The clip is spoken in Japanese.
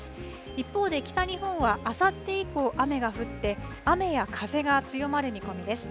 一方で、北日本はあさって以降雨が降って、雨や風が強まる見込みです。